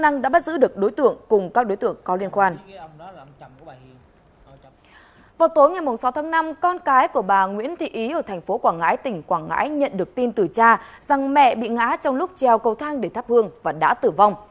năm con cái của bà nguyễn thị ý ở thành phố quảng ngãi tỉnh quảng ngãi nhận được tin từ cha rằng mẹ bị ngã trong lúc treo cầu thang để thắp hương và đã tử vong